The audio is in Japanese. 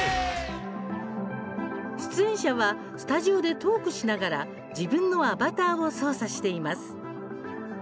出演者はスタジオでトークしながら自分のアバターを操作しています。